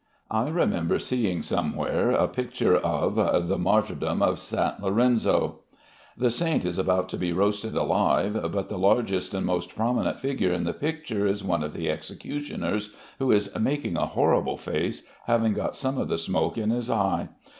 I remember seeing somewhere a picture of the "Martyrdom of St. Lorenzo." The saint is about to be roasted alive, but the largest and most prominent figure in the picture is one of the executioners, who is making a horrible face, having got some of the smoke in his eye.